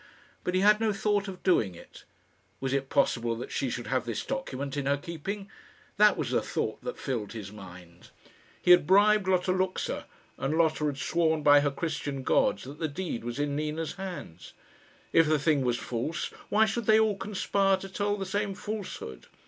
But he had no thought of doing it. Was it possible that she should have this document in her keeping? that was the thought that filled his mind. He had bribed Lotta Luxa, and Lotta had sworn by her Christian gods that the deed was in Nina's hands. If the thing was false, why should they all conspire to tell the same falsehood?